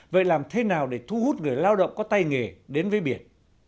vậy làm thế nào để thu hút người lao động có tay nghề đến với biển